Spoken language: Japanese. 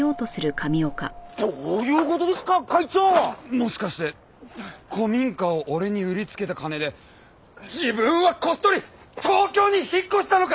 もしかして古民家を俺に売りつけた金で自分はこっそり東京に引っ越したのか！？